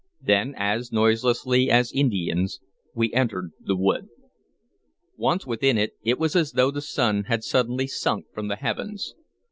Then, as noiselessly as Indians, we entered the wood. Once within it, it was as though the sun had suddenly sunk from the heavens.